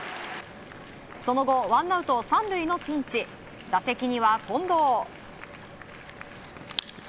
その後、ワンアウト３塁のピンチ打席には、近藤。